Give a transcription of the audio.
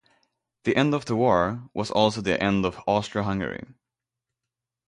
The end of the war was also the end of Austria-Hungary.